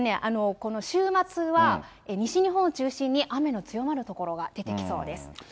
この週末は、西日本を中心に、雨の強まる所が出てきそうです。